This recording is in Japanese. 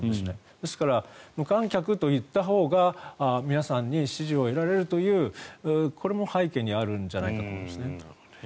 ですから、無観客と言ったほうが皆さんに支持を得られるというこれも背景にあるんじゃないかと思いますね。